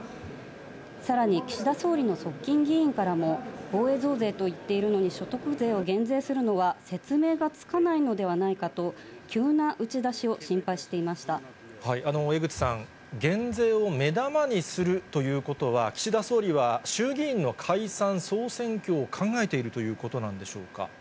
さらに、岸田総理の側近議員からも、防衛増税と言っているのに、所得税を減税するのは、説明がつかないのではないかと、江口さん、減税を目玉にするということは、岸田総理は衆議院の解散・総選挙を考えているということなんでし